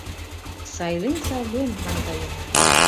Сайлен-сайлен наҥгаена.